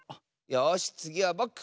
よしつぎはぼく！